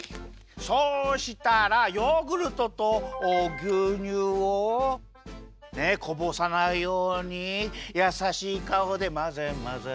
そうしたらヨーグルトとぎゅうにゅうをねっこぼさないようにやさしいかおでまぜまぜ。